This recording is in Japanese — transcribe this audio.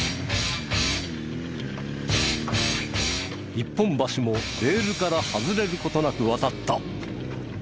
一本橋もレールから外れる事なく渡った。